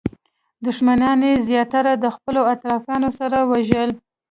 دښمنان یې زیاتره د خپلو طرفدارانو سره وژل.